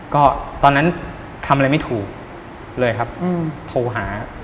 ก็ตอนนั้นทำอะไรไม่ถูกเลยครับโทรหา